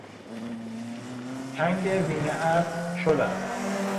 تنگ زین اسب شل است.